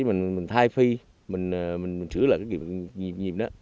để mình thay phi mình sửa lại cái nhịp đó